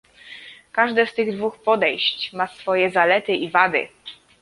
Każde z tych dwóch podejść ma swoje zalety i wady